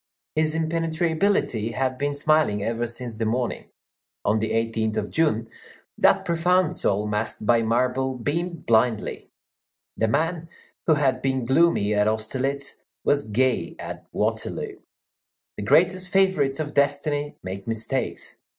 His impenetrability had been smiling ever since the morning. On the 18th of June, that profound soul masked by marble beamed blindly. The man who had been gloomy at Austerlitz was gay at Waterloo. The greatest favorites of destiny make mistakes.